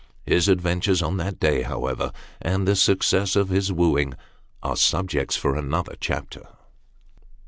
His adventures on that day, however, and the succcess of his wooing, are subjects for another chapter.